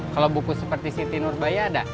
kalau buku seperti siti nurbaya ada